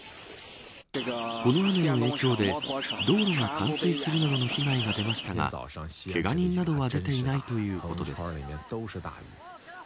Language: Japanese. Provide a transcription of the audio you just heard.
この雨の影響で道路が冠水するなどの被害が出ましたがけが人などは出ていないということです。